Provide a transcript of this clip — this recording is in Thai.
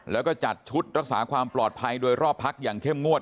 แล้วก็จัดชุดรักษาความปลอดภัยโดยรอบพักอย่างเข้มงวด